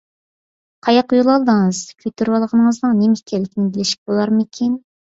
قاياققا يول ئالدىڭىز؟ كۆتۈرۈۋالغىنىڭىزنىڭ نېمە ئىكەنلىكىنى بىلىشكە بولارمىكىن؟